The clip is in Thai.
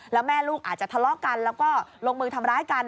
แล้วแม่ลูกอาจจะทะเลาะกันแล้วก็ลงมือทำร้ายกัน